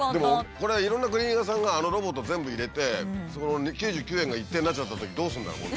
これはいろんなクリーニング屋さんがあのロボットを全部入れてそこの９９円が一定になっちゃったときどうするんだろう？